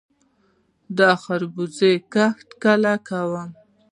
د خربوزو کښت کله وکړم؟